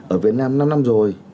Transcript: ở việt nam năm năm rồi